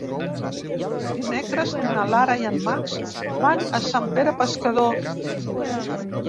Dimecres na Lara i en Max van a Sant Pere Pescador.